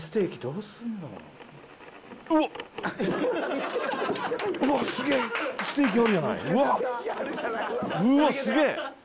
うわっすげえ！